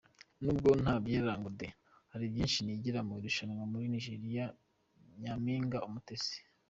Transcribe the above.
Nubwo ntabyera ngo de, hari byinshi nigiye mu irushanwa muri Nigeriya Nyaminga Umutesi